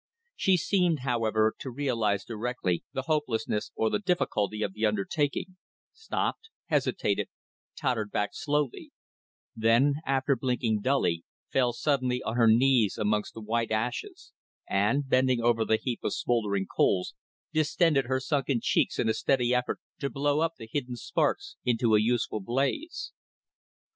She seemed, however, to realize directly the hopelessness or the difficulty of the undertaking, stopped, hesitated, tottered back slowly; then, after blinking dully, fell suddenly on her knees amongst the white ashes, and, bending over the heap of smouldering coals, distended her sunken cheeks in a steady effort to blow up the hidden sparks into a useful blaze.